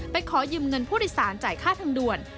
ขอยืมเงินผู้โดยสารจ่ายค่าทางด่วน